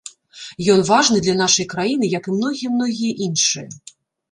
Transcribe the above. Ён важны для нашай краіны як і многія-многія іншыя.